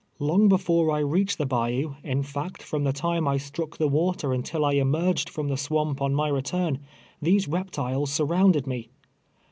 Long before I readied the bayou, in fact, from the time I struck the water until I emer ged from the swamp on my return, these reptiles surrounded me.